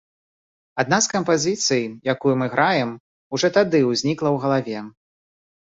Адна з кампазіцый, якую мы граем, ужо тады ўзнікла ў галаве.